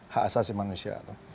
hak asasi manusia